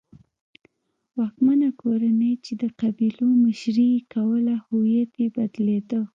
واکمنه کورنۍ چې د قبیلو مشري یې کوله هویت یې بدلېده.